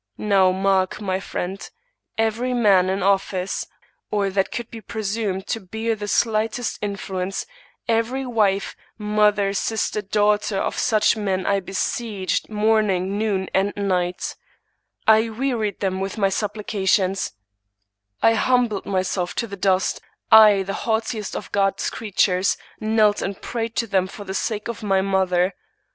Now mark, my friend. Every man in office, or that could be presumed to bear the slightest influence, every wife, mother, sister, daughter of such men, I besieged morn ing, noon, and night. I wearied them with my supplications. I humbled myself to the dust; I, the haughtiest of God's creatures, knelt and prayed to thein for the sak^ of my I.S2 ' Thomas De Quincey mother.